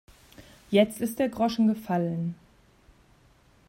Jetzt ist der Groschen gefallen.